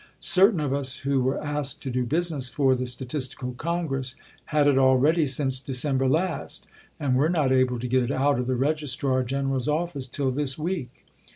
Certain of us, who were asked to do business for the Statistical Congress, had it all ready since December last and were not able to get it out of the Registrar General's Office till this week.